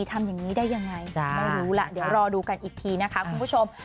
ทำอย่างนี้ได้ยังไงไม่รู้ล่ะเดี๋ยวรอดูกันอีกทีนะคะคุณผู้ชม